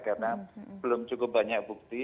karena belum cukup banyak bukti